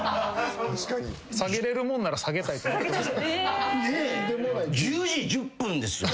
下げれるもんなら下げたいと思ってます。